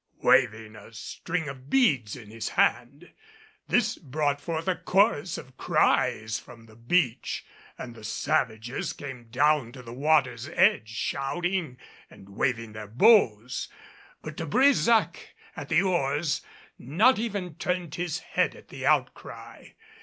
waving a string of beads in his hand. This brought forth a chorus of cries from the beach, and the savages came down to the water's edge shouting and waving their bows. But De Brésac, at the oars, not even turned his head at the outcry.